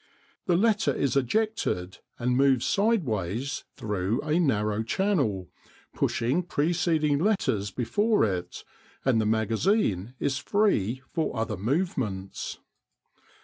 The letter is ejected and moves sideways through a narrow channel, pushing preceding letters before it, and the magazine is free for other movements.